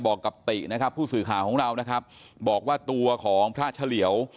บอกกับตินะครับผู้สื่อข่าวของเรานะครับบอกว่าตัวของพระเฉลี่ยว